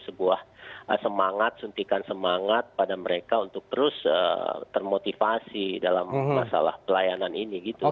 sebuah semangat suntikan semangat pada mereka untuk terus termotivasi dalam masalah pelayanan ini gitu